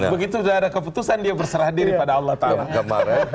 begitu udah ada keputusan dia berserah diri pada allah ta'ala